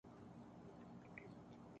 طبیعت میں رقت کا غلبہ ہے۔